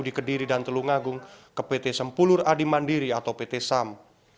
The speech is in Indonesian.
di kediri dan telungagung ke pt sempulur adi mandiri atau pt sam